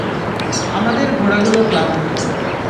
আমাদের ঘোড়াগুলো ক্লান্ত!